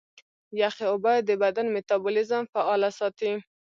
یخي اوبه د بدن میتابولیزم فعاله ساتي.